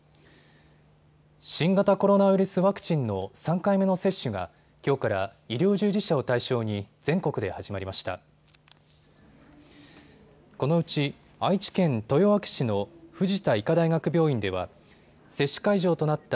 新型コロナウイルスワクチンの３回目の接種がきょうから医療従事者を対象に全国で始まりました。